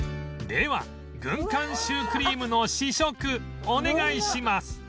では軍艦シュークリームの試食お願いします